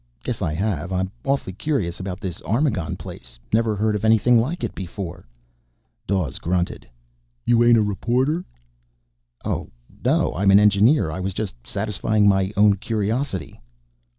"Guess I have. I'm awfully curious about this Armagon place. Never heard of anything like it before." Dawes grunted. "You ain't a reporter?" "Oh, no. I'm an engineer. I was just satisfying my own curiosity."